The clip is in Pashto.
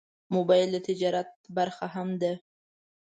موبایل د تجارت برخه هم ده.